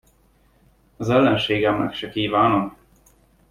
Az ellenségemnek se kívánom.